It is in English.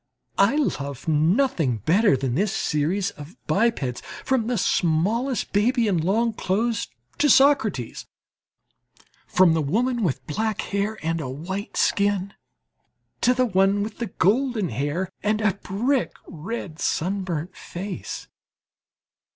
I love nothing better than this series of bipeds, from the smallest baby in long clothes to Socrates, from the woman with black hair and a white skin to the one with golden hair and a brick red sun burnt face.